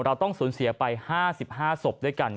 เราต้องสูญเสียไป๕๕ศพด้วยกัน